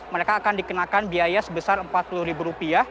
mereka akan dikenakan biaya sebesar rp empat puluh